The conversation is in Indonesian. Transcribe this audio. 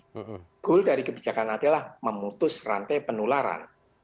goal dari kebijakan adalah memutus rantai penularan